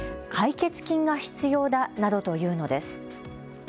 解決金が必要だなどというのです。